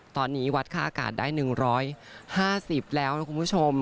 ตอนนี้วัดค่าอากาศได้๑๕๐แล้วนะคุณผู้ชม